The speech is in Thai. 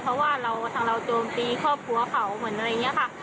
เพราะว่าเราทางเราโจมตีครอบครัวเขาเหมือนอะไรอย่างนี้ค่ะ